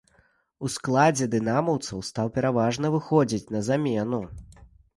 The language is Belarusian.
У складзе дынамаўцаў стаў пераважна выхадзіць на замену.